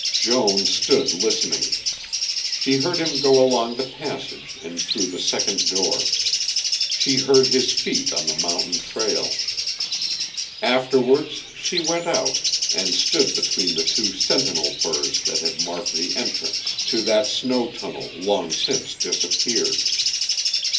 Joan stood listening. She heard him go along the passage and through the second door. She heard his feet on the mountain trail. Afterwards she went out and stood between the two sentinel firs that had marked the entrance to that snow tunnel long since disappeared.